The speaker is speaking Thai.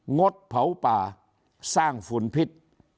งดเผาป่าสร้างฝุ่นพิษ